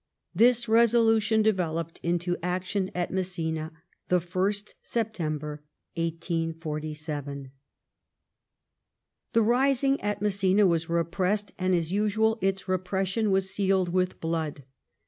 This resolution developed into action at Messina, the 1st September, 1847. The rising at Messina was repressed, and, as usual, its repression was sealed with blood.